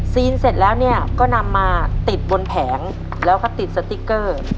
เสร็จแล้วเนี่ยก็นำมาติดบนแผงแล้วก็ติดสติ๊กเกอร์